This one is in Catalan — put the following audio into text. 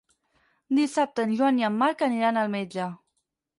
Dissabte en Joan i en Marc aniran al metge.